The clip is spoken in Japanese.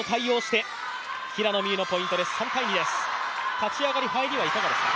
立ち上がり入りはいかがですか？